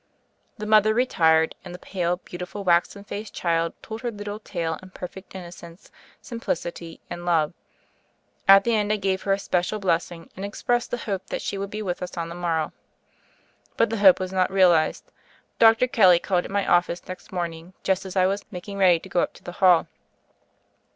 The mother retired, and the pale, beautiful, waxen faced child told her little tale in perfect innocence, simplicity, and love. At the end, I gave her a special blessing, and expressed the hope that she would be with us on tne morrow. But the hope was not realized. Dr. Kelly called at my office next morning, just as I was making ready to go up to the hall.